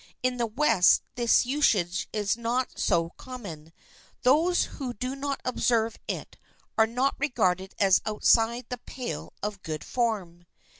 In the West this usage is not so common. Those who do not observe it are not regarded as outside the pale of good form.